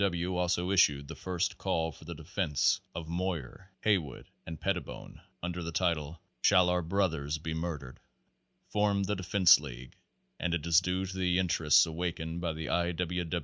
W. also issued the first call for the defense of Moyer, Haywood and Pettibone under the title, "Shall Our Brothers Be Murdered?"; formed the defense league ; and it is due to the interest awakened by the I.